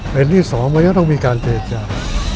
เป็นที่สองมันก็ต้องมีการเจรจา